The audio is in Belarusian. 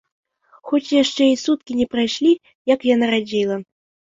Хоць яшчэ і суткі не прайшлі, як я нарадзіла.